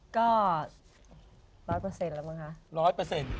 ก็๑๐๐แล้วมึงฮะ